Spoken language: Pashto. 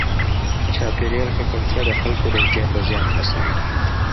چاپېریال ککړتیا د خلکو روغتیا ته زیان رسوي.